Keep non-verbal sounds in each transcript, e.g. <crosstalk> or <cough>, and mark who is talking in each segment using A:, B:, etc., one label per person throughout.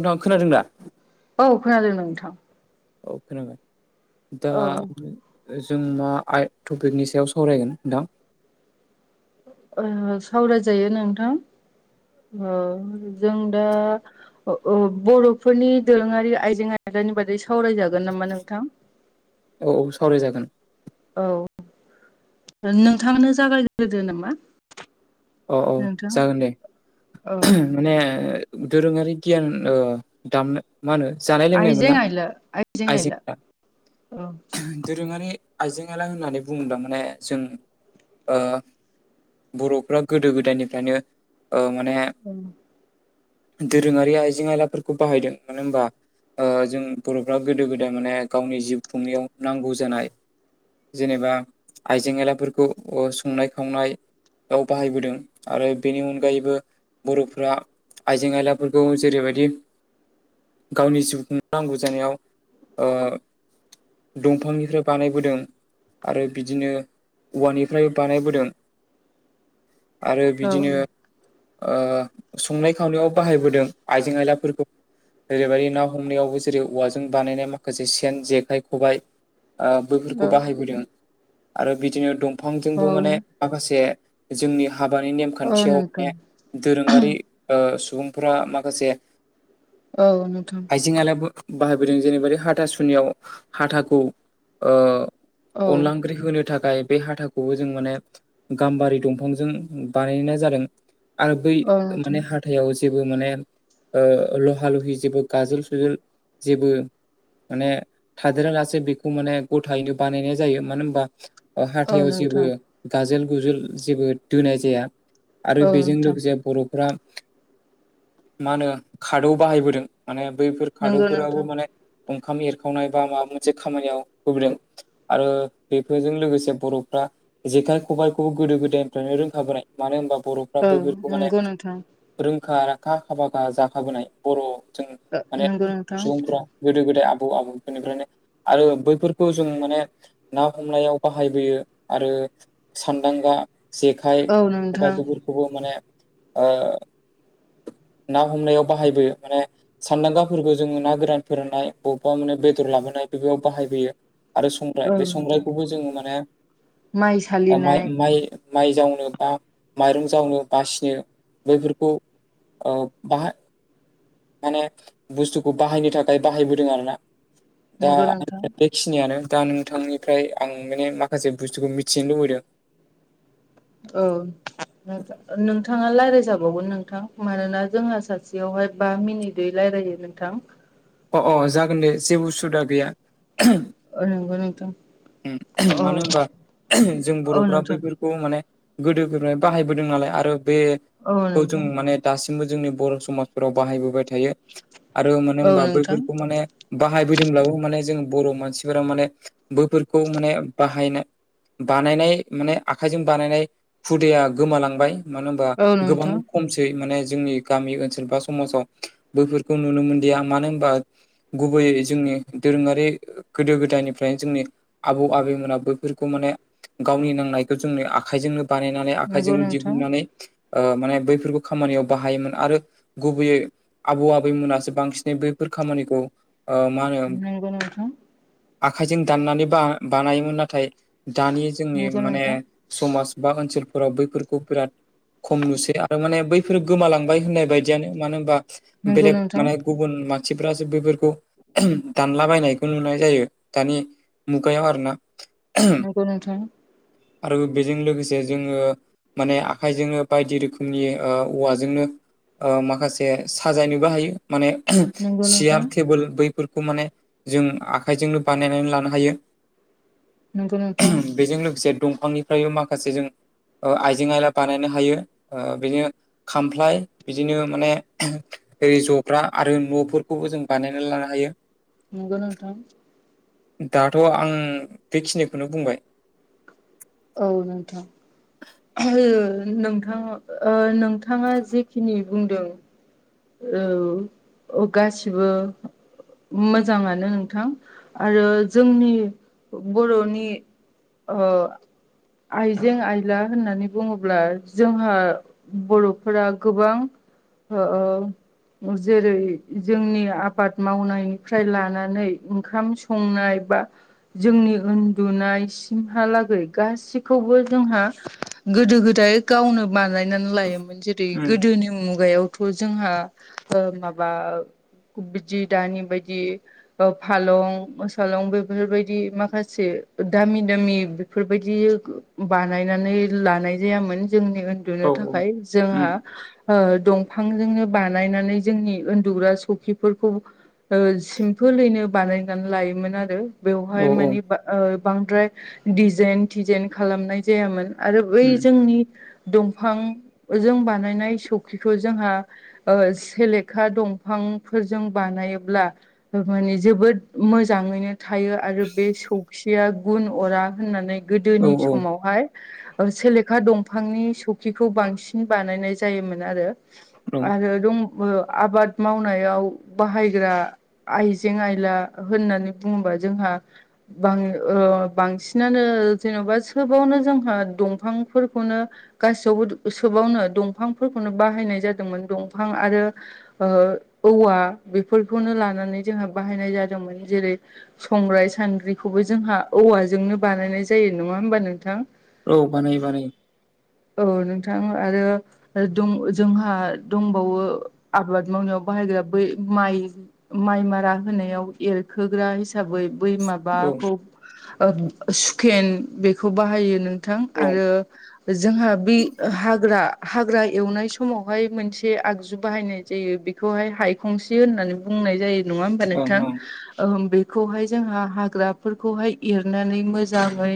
A: नोंथाङा खोनादों दा?
B: औ खोनादों नोंथां।
A: औ खोनागोन दा
B: औ
A: जों मा आइ टपिकनि सायाव सावरायगोन नोंथां।
B: ओ सावरायजायो नोंथां ओ जों दा अ ओ बर'फोरनि दोरोङारि आयजें आयदानि बादै सावरायजागोन नामा नोंथां?
A: औ औ सावरायजागोन।
B: औ नोंथांआनो जागायग्रोदो नामा!
A: औ औ
B: नोंथां
A: जागोन दे
B: औ
A: माने दोरोङारि गियान ओ दामनो मा होनो जानाय लोंनाय
B: आइजें
A: मोनना
B: आइला आइजें आइला
A: आइजेंफोरा
B: औ
A: दोरोङारि आयजें आयला होननानै बुङोब्ला माने जों ओ बर'फ्रा गोदो गोदायनिफ्रायनो ओ माने
B: <inaudible>
A: दोरोङारि आइजें आयलाफोरखौ बाहायदों मानो होनबा ओ जों बर'फ्रा गोदो गोदाय माने गावनि जिउ खुंनायाव नांगौ जानाय जेनेबा आइजें आयलाफोरखौ संनाय खावनाय बाहायबोदों आरो बेनि अनगायैबो बर'फ्रा आइजें आयलाफोरखौ जेरैबायदि गावनि जिउखुं नांगौ जानायाव ओ दंफांनिफ्राय बानायबोदों आरो बिदिनो औवानिफ्राय बानायबोदों आरो
B: औ
A: बिदिनो ओ संनाय खावनायाव बाहायबोदों आइजें आयलाफोरखौ ओरैबायदि ना हमनायावबो जेरै औवाजों बानायनाय माखासे सेन जेखाइ खबाइ आ बैफोरखौ
B: औ
A: बाहायबोदों आरो बिदिनो
B: औ
A: दंफांजोंबो माने माखासे जोंनि हाबानि
B: औ
A: नेमखान्थियाव
B: नोंथां
A: माने दोरोङारि ओ सुबुंफोरा माखासे
B: औ नोंथां।
A: आइजें आयला बो बाहायबोदों जेरैबादि हाथा सुनियाव हाथाखौ ओ
B: औ
A: अनला ओंख्रि होनो थाखाय बे हाथाखौबो जों माने गाम्बारि दंफां फांजों बानायनाय जादों आर बै
B: औ नोंथां
A: माने हा थायाव जेबो माने ओ लहा लहि जेबो गाजोल सुजोल जेबो माने थादेरा लासे बेखौ माने गथायैनो बानायनाय जायो मानो होनबा ओ
B: औ
A: हाथायाव जेबो
B: नोंथां
A: गाजोल गुजोल जेबो दोनाय जाया। आरो
B: औ
A: बेजों
B: नोंथां
A: लोगोसे बर'फ्रा मा होनो खादौ बाहायबोदों माने बैफोर
B: नंगौ
A: खादौफोराबो
B: नोंथां
A: माने ओंखाम एरखावनाय बा माबा मोनसे खामानियाव होबोदों। आरो बेफोरजों लोगोसे बर'फ्रा जेखाय खबायखौ गोदो गोदायनिफ्रायनो रोंखाबोनाय। मानो होनबा बर'फ्रा
B: औ
A: बैफोरखौ माने
B: नंगौ नोंथां
A: रोंखा राखा हाबागा जाखाबोनाय बर' जों माने
B: नंगौ नोंथां
A: सुबुंफ्रा गोदो गोदाय आबौ आबौफोरनिफ्रायनो आरो बैफोरखौ जों माने ना हमनायाव बाहायबोयो आरो सानदांगा जेखाय
B: औ नोंथां
A: खबाय <unintelligible> खौबो माने ओह ना हमनायाव बाहायबोयो माने सानदांगाफोरखौ जोङो ना गोरान फोराननाय बबेबा माने बेदर लाबोनाय बेफोराव बाहायबोयो। आरो संग्राय
B: औ
A: बे
B: नोंथां
A: संग्रायखौबो जोङो माने
B: माइ सालिनाय
A: माइ माइ माइ जावनो बा माइरं जावनो बासिनो बैफोरखौ ओ बाहाय माने बुस्थुखौ बाहायनो थाखाय बाहायबोदों आरो ना। दा
B: नंगौ
A: आं
B: नोंथां
A: बेखिनियानो दा नोंथांनिफ्राय आं माने माखासे बुस्थुखौ मिथिनो लुबैदों।
B: ओह। नोंथां-नोंथाङा लायरायजाबावगोन नोंथां मानोना जोंहा सासेयावहाय बा मिनिट दै लायरायो नोंथां।
A: अ' अ' जागोन दे जेबो उसुबिदा गैया।
B: औ नंगौ नोंथां
A: उम
B: औ
A: मानो होनबा जों
B: औ
A: बर'फ्रा
B: नोंथां
A: बैफोर खौ माने गोदो गोदाय बाहायबोदों नालाय आरो बे
B: औ
A: खौ जों
B: नोंथां
A: माने दासिमबो जोंनि बर' समाजफोराव बाहायबोबाय थायो आरो मानो
B: औ
A: होनबा
B: नोंथां
A: बैफोरखौ माने बाहायफैदोंब्लाबो माने जों बर' मानसिफोरा माने बोफोरखौ माने बाहायनो बानायनाय माने आखाइजों बानायनाय हुदाया गोमालांबाय मानो होमबा
B: औ
A: गोबां
B: नोंथां
A: खमसेै माने जोंनि गामि ओनसोल बा समाजाव बैफोरखौ नुनो मोनदिया मानो होन बा गुबैयै जोंनि दोरोङारि गोदो गोदायनिफ्रायनो जोंनि आबौ आबैमोना बैफोरखौ माने गावनि नांनायखौ जोंनि आखाइजोंनो बानायनानै
B: नंगौ
A: आखाइजोंनो
B: नोंथां
A: दिहुननानै ओ माने बैफोरफोरखौ खामानियाव बाहायोमोन आरो गुबैयै आबौ आबैमोनासो बांसिनै बै फोर खामानिखौ ओ मा होनो
B: नंगौ नोंथां
A: आखाइजों दाननानै बा बानायोमोन नाथाय दानि जोंनि
B: नंगौ
A: माने
B: नोंथां
A: समाज बा ओनसोलफोराव बैफोरखौ बिराद खम नुसै आरो माने बैफोर गोमालांबाय होननाय बायदियानो मानो होनबा
B: नंगौ
A: बेलेग
B: नोंथां
A: माने गुबुन मा सिफ्रासो बेफोरखौ दानलाबायनायखौ नुनाय जायो दानि मुगायाव आरोना
B: नोंगौ नोंथां।
A: आरो बेजों लोगोसे जोङो माने आखाइजोंनो बायदि रोखोमनि ओ औवाजोंनो ओ माखासे साजायनोबो हायो माने
B: नंगौ
A: सियार
B: नोंथां
A: टेबोल बैफोरखौ माने जों आखाइजोंनो बानायनानै लानो हायो।
B: नंगौ नोंथां
A: बेजों लोगोसे दंफांनिफ्रायबो माखासे जों ओ आइजें आयला बानायनो हायो ओ बिनो खामफ्लाय बिदिनो माने ओरै जग्रा आरो न'फोर खौबो जों बानायनानै लानो हायो।
B: नोंगौ नोंथां।
A: दाथ' आं बेखिनिखौनो बुंबाय।
B: औ नोंथां। नोंथां ओ नोंथाङा जेखिनि बुंदों औ औ गासिबो। मोजाङानो नोंथां आरो जोंनि बरनि अ आइजें आइला होननानै बुङोब्ला जोंहा। बरफोरा गोबां ओ
A: <inaudible>
B: ओ जेरै जोंनि आबाद मावनायनिफ्राय लानानै ओंखाम संनाय बा। जोंनि उन्दुनायसिमहालागै गासिखौबो जोंहा गोदो गोदाय। गावनो बानायनानै लायोमोन जेरै
A: उम
B: गोदोनि मुगायावथ जोंहा। ओ-माबा बिदि दानि बायदि। फालं सालं बेफोरबायदि माखासे दामि दामि। बेफोरबायदि बानायनानै लानाय जायामोन जोंनि ओन लुनो
A: औ
B: थाखाय जोंहा
A: उम
B: ओ-दंफांजोंनो बानायनानै जोंनि उन्दुग्रा सखिफोरखौ ओ-सिमपोलैनो बानायनानै लायोमोन आरो बेवहाय
A: औ उम
B: मानि बा ओ-बांद्राय दिडजाइन थिजाइन खालामनाय जायामोन। आरो बै जोंनि दंफांजों बानायनाय सौखिखौ जोंहा सेलेखा दंफांफोरजों बानायोब्ला माने जोबोद मोजाङैनो थायो आरो बे सौखिया गुन अरा होननानै
A: औ
B: गोदोनि
A: औ
B: समावहाय सेलेखा दंफांनि सौखिखौ बांसिन बानायनाय जायोमोन आरो।
A: औ
B: आरो दं आबाद मावनायाव बाहायग्रा आइजें आइला होननानै बुङोबा जोंहा बां ओ-बांसिनानो जेनबा सोबावनो जोंहा दंफांफोरखौनो गासैयावबो सोबावनो दंफांफोरखौनो बाहायनाय जादोंमोन दंफां आरो ओ औवा बेफोरखौनो लानानै जोंहा बाहायनाय जादोंमोन जेरै संग्राय सानद्रिखौबो जोंहा औवाजोंनो बानायनाय जायो नङा होमबा नोंथां
A: औ बानायो बानायो
B: औ नोंथां आरो दं जोंहा दंबावो आबाद मावनायाव बाहायग्रा बै माइ माइ मारा होनायाव एरखोग्रा हिसाबै बै
A: औ औ
B: माबाखौ सुकेन बेखौ बाहायो नोंथां
A: ओं
B: आरो जोंहा बे हाग्रा हाग्रा एवनाय समावहाय मोनसे बे आगजु बाहायनाय जायो बेखौहाय हायखंसि होननानै बुंनाय जायो। नङा होमबा
A: ओं
B: नोंथां ओम बे खौहाय जोंहा हाग्राफोरखौहाय एरनानै मोजाङै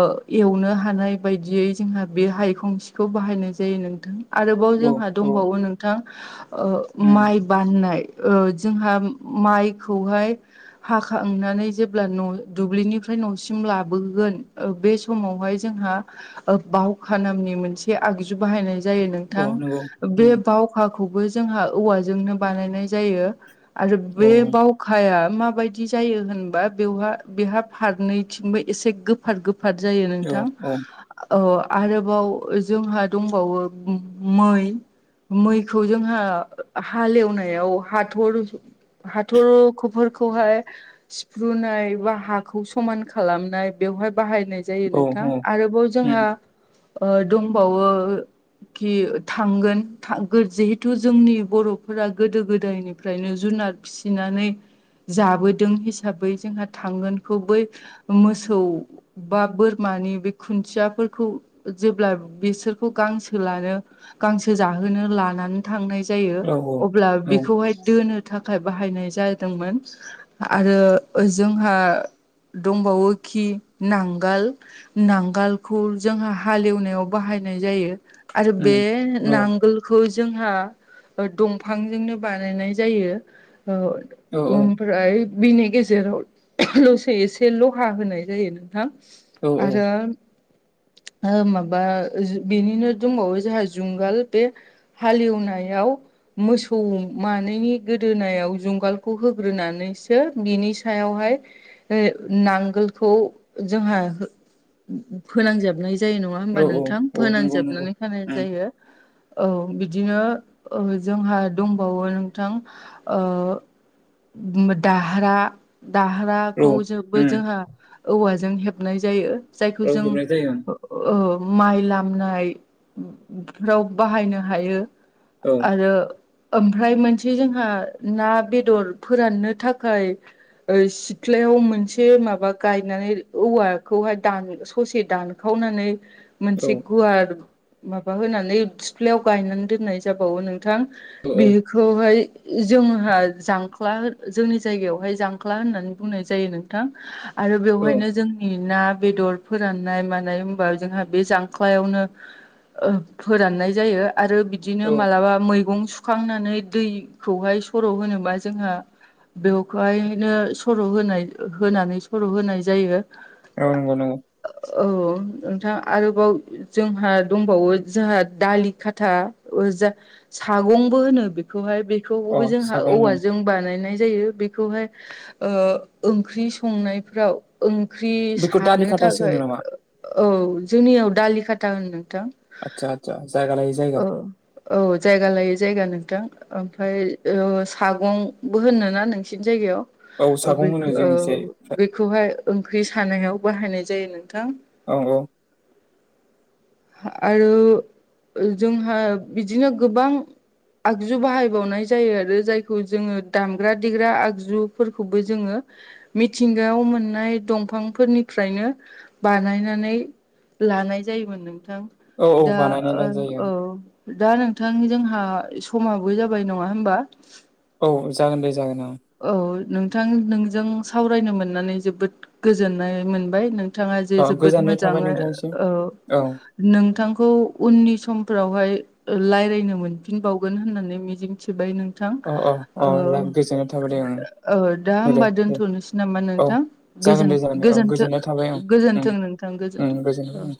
B: ओ-एवनो हानाय बायदियै जोंहा बे हायखं सिखौ बाहायनाय जायो नोंथां। आरोबाव
A: औ
B: जोंहा
A: उम
B: दंबावो नोंथां ओ-माइ बाननाय ओ-जोंहा माइखौहाय हाखांनानै जेब्ला न दुब्लिनिफ्राय नसिम लाबोगोन ओ-बे समावहाय जोंहा बावखा नामनि मोनसे आगजु बाहायनाय जायो
A: औ
B: नोंथां
A: नंगौ
B: बे
A: उम
B: बावखाखौबो जोंहा औवाजोंनो बानायनाय जायो। आरो
A: औ
B: बे बाव खाया माबायदि जायो होनबा बेवहा बेहा फारनैथिंबो एसे गोफार गो फार जायो
A: औ
B: नोंथां।
A: औ
B: औ आरोबाव जोंहा दंबावो मै मैखौ जोंहा हालेवनायाव हाथर हाथरखफोरखौहाय सिफ्रुनाय बा हाखौ समान खालामनाय बेवहाय बाहायनाय जायो
A: औ उम
B: नोंथां
A: औ
B: आरोबाव
A: उम औ
B: जोंहा दंबावो खि थांगोन जिहेथु जोंनि बर'फोरा गोदो गोदायनिफ्रायनो जुनार फिसिनानै जाबोदों हिसाबै जोंहा थांगोनखौ बै मोसौव बा बोरमानि बे खुन्थियाफोरखौ जेब्ला बिसोरखौ गांसो लानो गांसो जाहोनो लानानै थांनाय जायो। अब्ला बेखौहाय दोनो थाखाय बाहायनाय जादोंमोन आरो जोंहा दंबावोखि नांगोल नांगोलखौ जोंहा हालेवनायाव बाहायनाय जायो। आरो बे नां गोलखौ जोंहा दंफांजोंनो बानायनाय जायो ओ।
A: औ
B: उम ओमफ्राय बिनि गेजेरावलसे एसे लहा होनाय जायो नोंथां।
A: औ औ
B: आरो माबा बेनिनो दंबावो जोंहा जुंगाल बे हालेवनायाव मोसौ मानैनि गोदोनायाव जुंगालखौ होग्रोनानैसो बिनि सायावहाय नांगोलखौ जोंहा फोनांजोबनाय जायो नङा
A: औ
B: होमबा
A: औ
B: नोंथां?
A: औ नंगौ नंगौ
B: फोनांजोबनानै होनाय
A: उम
B: जायो। औ बिदिनो जोंहा दंबावो नोंथां दाहा
A: औ
B: दारहाखौव बो
A: उम
B: जोंहा औवाजों हेबनाय जायो। जायखौ
A: औ
B: जों
A: हेबनाय जायो
B: माइ लामनाय राव बाहायनो हायो
A: ओं
B: आरो ओमफ्राय मोनसे जोंहा ना बेदर फोराननो थाखाय सिथ्लायाव मोनसे माबा गायनानै औवाखौहाय दान ससे दान खावनानै
A: औ
B: मोनसे गुवार माबा होनानै सिप्लेयाव गायनानै दोननाय जाबावो नों नोंथां
A: औ
B: बेखौहाय जोंहा जांख्ला जोंनि जायगायावहाय जांख्ला होननानै बुंनाय जायो नोंथां। आरो
A: औ
B: बेवहायनो जों ना बेदर फोराननाय मानाय होमबा जोंहा बे जांख्लायावनो फोराननाय जायो आरो बिदिनो
A: औ
B: मालाबा मैगं संखांनानै दैखौहाय सर' होनोबा जोंहा बेवखौहायनो सर' होनाय होनानै सर' होनाय जायो।
A: नंगोव
B: औ नोंथां आरोबाव जोंहा दंबावो जोंहा दालि खाथा सागंबो होनो बेखौहाय बे
A: अ
B: बेखौबो जों
A: सागं ओं
B: औवाजों बानायनाय जायो बे बेखौहाय ओंख्रि संनायफ्राव ओंख्रि
A: बेखौ दालि
B: सानो
A: खाथासो होनो
B: थाखाय
A: नामा
B: औ जोंनियाव दालि खाथा होनओ नोंथां।
A: आतसा आतसा जायगा लायै जायगा।
B: औ औ जायगा लायो जायगा नोंथां। ओमफ्राय सागंबो होनो ना नोंसिनि
A: औ
B: जायगायाव।
A: सागं
B: बे
A: होनो जोंनिथिं
B: बेखौहाय ओंख्रि सानायाव बाहायनाय जायो नोंथां।
A: औ औ
B: आरो जोंहा बिदिनो गोबां आगजु बाहायबावनाय जायो आरो जायखौ जोंङो दामग्रा देग्रा आगजुफोरखौबो जोंङो मिथिंगायाव मोननाय दंफांफोरनिफ्रायनो बानायनानै लानाय जायोमोन नोंथां
A: औ औ
B: दा
A: बानायनायलाय जायो
B: औ दा नोंथां जोंहा समाबो जाबाय नंङा होमबा?
A: औ जागोन दे जागोन अ।
B: औ नोंथां नोंजों सावरायनो मोननानै जोबोद गोजोननाय मोनबाय नों थाङा जे
A: अ
B: जोबोद
A: गोजोननाय थाबाय
B: मोजाङै
A: नोंथांसिम
B: ओ
A: औ
B: नोंथांखौ उननि समफोरावहाय लायरायनो मोनफिनबावगोन होननानै मिजिंथिबाय नों
A: अ अ अ गोजोननाय थाबाय दे ओं
B: ओहो दा
A: दे
B: होमबा
A: दे
B: दोनथ'नोसै नामा
A: औ
B: नोंथां
A: जागोन
B: गोजोन
A: दे जागोन दे औ
B: गोजोनथो
A: गोजोननाय थाबाय ओं ओं
B: गोजोनथों नोंथां थां
A: ओं
B: गोजोन्थों
A: गोजोनबाय
B: औ